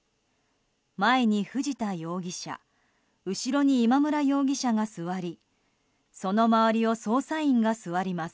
前に藤田容疑者後ろに今村容疑者が座りその周りを捜査員が座ります。